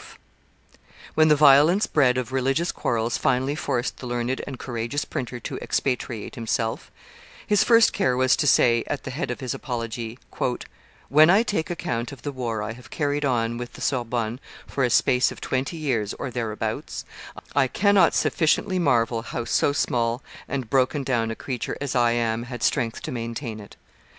[Illustration: Francis I. waits for Robert Estienne 168] When the violence bred of religious quarrels finally forced the learned and courageous printer to expatriate himself, his first care was to say, at the head of his apology, "When I take account of the war I have carried on with the Sorbonne for a space of twenty years or thereabouts, I cannot sufficiently marvel how so small and broken down a creature as I am had strength to maintain it.